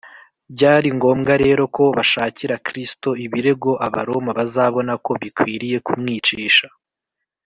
byari ngombwa rero ko bashakira kristo ibirego abaroma bazabona ko bikwiriye kumwicisha